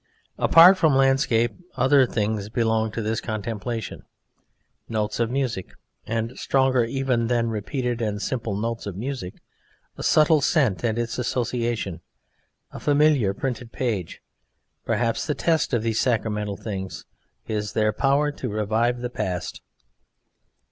Apart from landscape other things belong to this contemplation: Notes of music, and, stronger even than repeated and simple notes of music, a subtle scent and its association, a familiar printed page. Perhaps the test of these sacramental things is their power to revive the past.